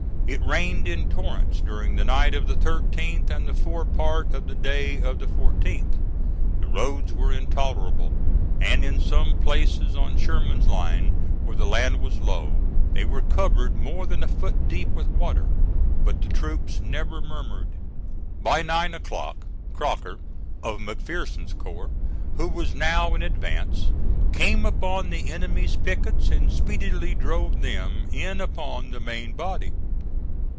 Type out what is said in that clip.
It rained in torrents during the night of the 13th and the fore part of the day of the 14th. The roads were intolerable, and in some places on Sherman's line, where the land was low, they were covered more than a foot deep with water. But the troops never murmured. By nine o'clock Crocker, of McPherson's corps, who was now in advance, came upon the enemy's pickets and speedily drove them in upon the main body.